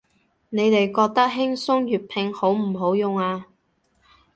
你哋覺得輕鬆粵拼好唔好用啊